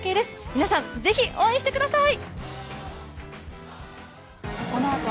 皆さん是非応援してください。